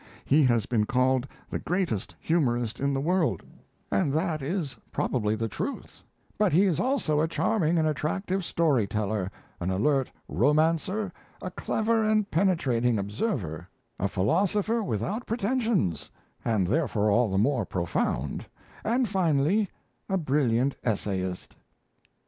He has been called the greatest humorist in the world, and that is probably the truth; but he is also a charming and attractive story teller, an alert romancer, a clever and penetrating observer, a philosopher without pretensions, and therefore all the more profound, and finally, a brilliant essayist."